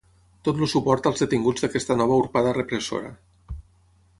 Tot el suport als detinguts d’aquesta nova urpada repressora.